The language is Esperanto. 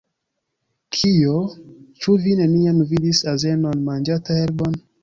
Kio? Ĉu vi neniam vidis azenon manĝanta herbon?